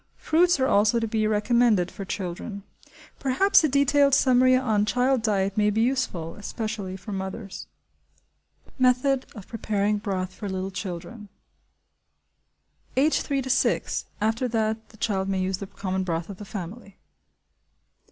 Fruits are also to be recommended for children. Perhaps a detailed summary on child diet may be useful, especially for mothers. Method of Preparing Broth for Little Children. (Age three to six; after that the child may use the common broth of the family.)